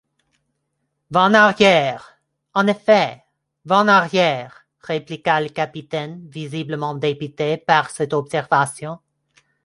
Vent arrière... en effet... vent arrière!... répliqua le capitaine visiblement dépité par cette observation.